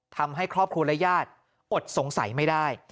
ทำให้ครอบครัวและญาติอดสงสัยไม่ได้